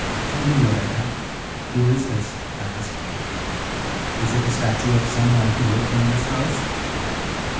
"Tell me, Yoletta, who is this?" I whispered. "Is it a statue of some one who lived in this house?"